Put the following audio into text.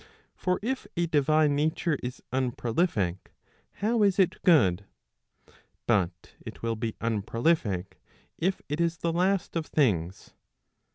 For if a divine nature is unprolific how is it good ? But it will be unprolific, if it is the last of things.